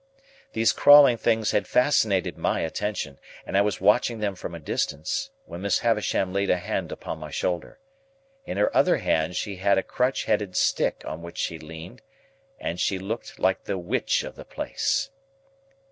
These crawling things had fascinated my attention, and I was watching them from a distance, when Miss Havisham laid a hand upon my shoulder. In her other hand she had a crutch headed stick on which she leaned, and she looked like the Witch of the place.